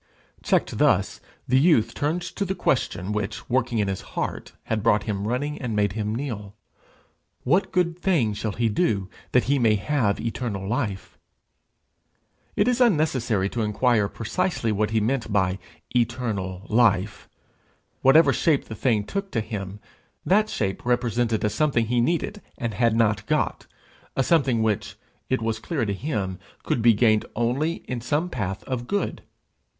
Checked thus, the youth turns to the question which, working in his heart, had brought him running, and made him kneel: what good thing shall he do that he may have eternal life? It is unnecessary to inquire precisely what he meant by eternal life. Whatever shape the thing took to him, that shape represented a something he needed and had not got a something which, it was clear to him, could be gained only in some path of good.